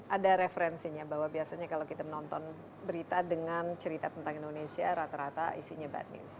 ada referensinya bahwa biasanya kalau kita menonton berita dengan cerita tentang indonesia rata rata isinya bad news